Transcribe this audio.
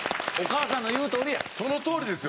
そのとおりですよ。